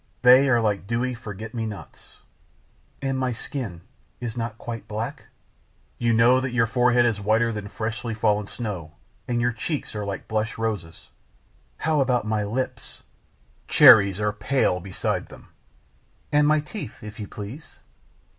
"They are like dewy forget me nots." "And my skin is not quite black?" "You know that your forehead is whiter than freshly fallen snow, and your cheeks are like blush roses." "How about my lips?" "Cherries are pale beside them." "And my teeth, if you please?"